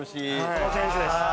この選手です。